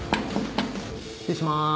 ・失礼しまーす。